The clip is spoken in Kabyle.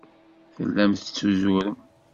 Tellam tettuzurem.